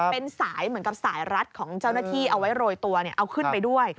เป็นสายเหมือนกับสายรัดของเจ้าหน้าที่เอาไว้โรยตัวเอาขึ้นไปด้วย